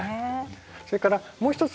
それからもう一つ